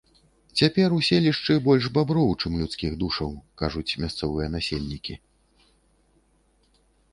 Цяпер у селішчы больш баброў, чым людскіх душаў, кажуць мясцовыя насельнікі.